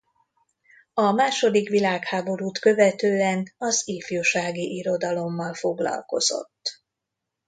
A második világháborút követően az ifjúsági irodalommal foglalkozott.